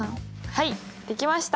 はいできました！